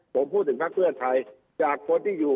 ผมพูดถึงพักเพื่อไทยจากคนที่อยู่